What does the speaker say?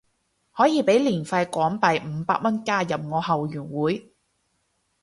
可以俾年費港幣五百蚊加入我後援會